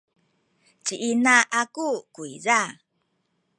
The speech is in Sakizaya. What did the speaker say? ci ina aku kuyza